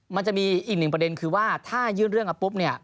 มันจะมีอีกหนึ่งประเด็นคือว่าถ้ายื่นเรื่องเอาปุ๊บเนี่ย